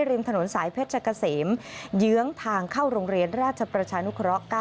ริมถนนสายเพชรเกษมเยื้องทางเข้าโรงเรียนราชประชานุเคราะห์๙